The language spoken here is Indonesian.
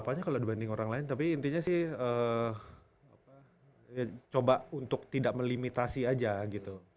apanya kalau dibanding orang lain tapi intinya sih coba untuk tidak melimitasi aja gitu